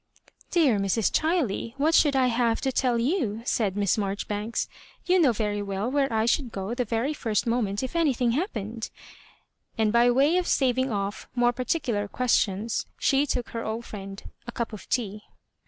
" Dear Mrs. Chiley, what should I have to tell you?" said Miss Marjoribanks. "You know very well where I should go the very first mo ment if anything happened;" and by way of staving off more particular questions, she took her old friend a cup of tea.